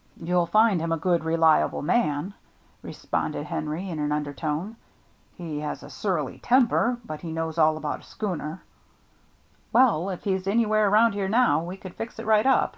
" You'll find him a good, reliable man," responded Henry, in an undertone. " He has a surly temper, but he knows all about a schooner." "Well, — if he's anywhere around here now, we could fix it right up."